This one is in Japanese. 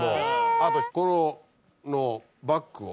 あとこのバッグを。